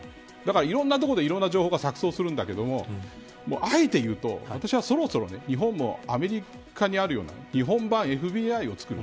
だから、いろんなところでいろんな情報が錯そうするんだけどあえて言うと、私はそろそろ日本も、アメリカにあるような日本版ＦＢＩを作る。